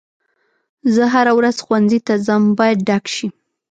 زه هره ورځ ښوونځي ته ځم باید ډک شي.